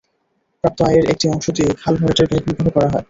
প্রাপ্ত আয়ের একটি অংশ দিয়ে খাল ভরাটের ব্যয় নির্বাহ করা হয়।